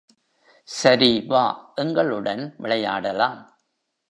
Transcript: சரி வா எங்களுடன் விளையாடலாம்.